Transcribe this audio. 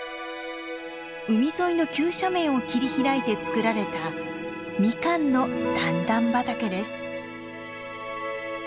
海沿いの急斜面を切り開いて作られたミカンの段々畑です。